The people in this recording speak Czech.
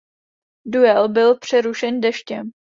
Duel byl přerušen deštěm.